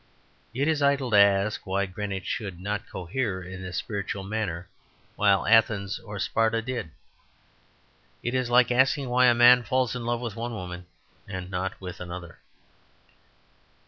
It is idle to ask why Greenwich should not cohere in this spiritual manner while Athens or Sparta did. It is like asking why a man falls in love with one woman and not with another.